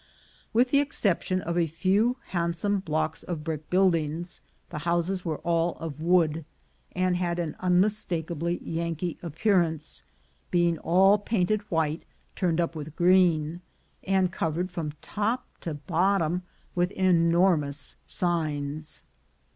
With the exception of a few handsome blocks of brick buildings, the houses were all of wood, and had an unmistakably Yankee appearance, being all painted white turned up with green, and covered from top to bottom with enormous signs.